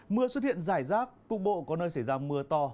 mưa xuất hiện dài rác cung bộ có nơi xảy ra mưa to